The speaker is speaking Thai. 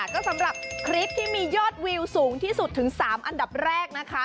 ก็สำหรับคลิปที่มียอดวิวสูงที่สุดถึง๓อันดับแรกนะคะ